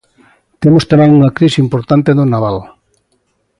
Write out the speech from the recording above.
Temos tamén unha crise importante no naval.